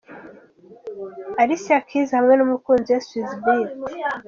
Alicia Keys hamwe n'umukuzi we Swizz Beatz.